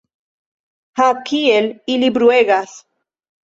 Ha, kiel ili bruegas!